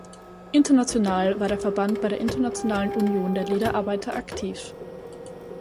International war der Verband bei der Internationalen Union der Lederarbeiter aktiv.